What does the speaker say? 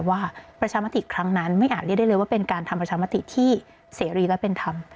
ประชามติครั้งนั้นไม่อาจเรียกได้เลยว่าเป็นการทำประชามติที่เสรีและเป็นธรรม